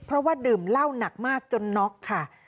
เพราะว่าดื่มเหล้าหนักมากจนน็อกค่ะ